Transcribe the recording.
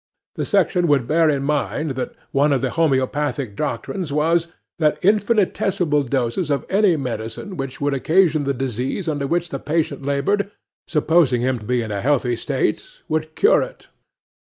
The section would bear in mind that one of the Homoeopathic doctrines was, that infinitesimal doses of any medicine which would occasion the disease under which the patient laboured, supposing him to be in a healthy state, would cure it.